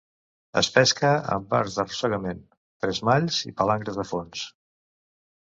Es pesca amb arts d'arrossegament, tresmalls i palangres de fons.